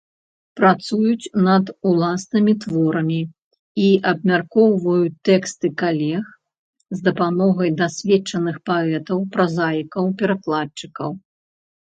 Працуюць над ўласнымі творамі і абмяркоўваюць тэксты калег з дапамогай дасведчаных паэтаў, празаікаў, перакладчыкаў.